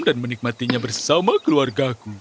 dan menikmatinya bersama keluargaku